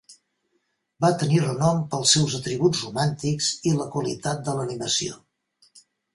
Va tenir renom pel seus atributs romàntics i la qualitat de l'animació.